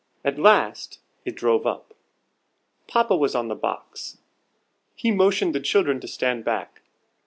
At last it drove up. Papa was on the box. He motioned the children to stand back.